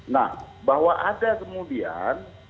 nah bahwa ada kemudian